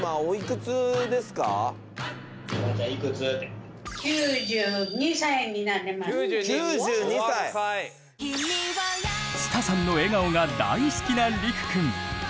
つたさんの笑顔が大好きなりくくん。